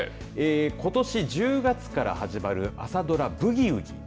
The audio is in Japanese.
ことし１０月から始まる朝ドラ、ブギウギ。